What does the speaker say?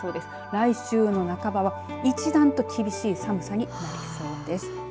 来週の半ばは一段と厳しい寒さになりそうです。